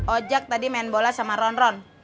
ojak tadi main bola sama ronron